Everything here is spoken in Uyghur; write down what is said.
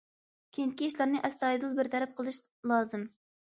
كېيىنكى ئىشلارنى ئەستايىدىل بىر تەرەپ قىلىش لازىم.